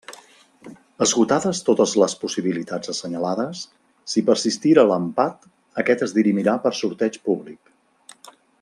Esgotades totes les possibilitats assenyalades, si persistira l'empat, aquest es dirimirà per sorteig públic.